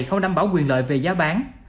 không đảm bảo quyền lợi về giá bán